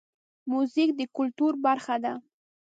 موزیک د کلتور برخه ده.